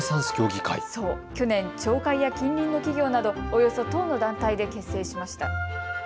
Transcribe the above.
去年、町会や近隣の企業などおよそ１０の団体で結成しました。